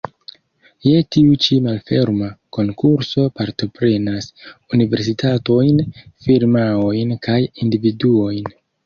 Je tiu ĉi malferma konkurso partoprenas universitatojn, firmaojn kaj individuojn.